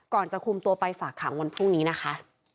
จะคุมตัวไปฝากขังวันพรุ่งนี้นะคะ